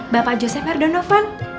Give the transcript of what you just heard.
bapak joseph erdogan